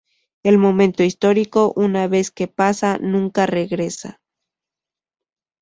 El momento histórico una vez que pasa, nunca regresa.